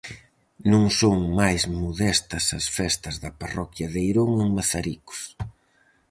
Non son máis modestas as festas da parroquia de Eirón, en Mazaricos.